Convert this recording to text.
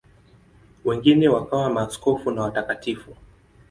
Wengine wakawa maaskofu na watakatifu.